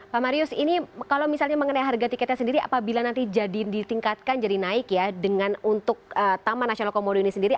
pak marius ini kalau misalnya mengenai harga tiketnya sendiri apabila nanti ditingkatkan jadi naik ya dengan untuk taman nasional komodo ini sendiri